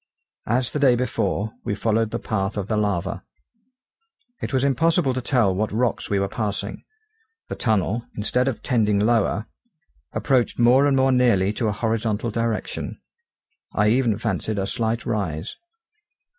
As the day before, we followed the path of the lava. It was impossible to tell what rocks we were passing: the tunnel, instead of tending lower, approached more and more nearly to a horizontal direction, I even fancied a slight rise.